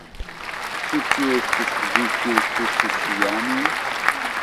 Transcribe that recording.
Ĉu tio estis vi, kiu tusis, Janjo?